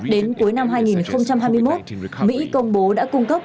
đến cuối năm hai nghìn hai mươi một mỹ công bố đã cung cấp